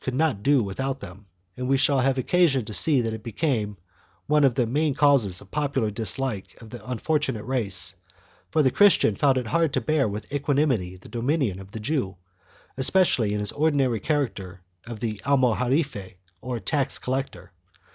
74 THE JEWS AND THE MOORS [BOOK I not do without them, and we shall have occasion to see that it became one of the main causes of popular dislike of the unfortu nate race, for the Christian found it hard to bear with equanimity the domination of the Jew, especially in his ordinary character of almojarife, or tax collector.